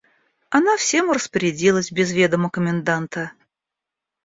Она всем и распорядилась без ведома коменданта.